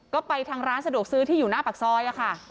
ก็ไปทางร้านสะดวกซื้อที่อยู่หน้าปากซอยค่ะ